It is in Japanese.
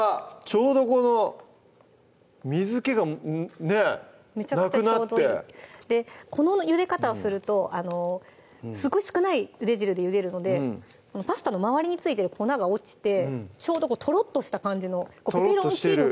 ちょうどこの水気がねなくなってこのゆで方をするとすごい少ないゆで汁でゆでるのでパスタの周りに付いてる粉が落ちてちょうどとろっとした感じのペペロンチーノ